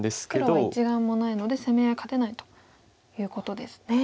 黒は１眼もないので攻め合い勝てないということですね。